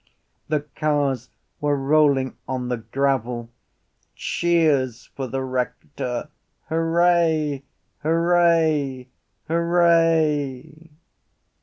The cars were rolling on the gravel. Cheers for the rector! Hurray! Hurray! Hurray!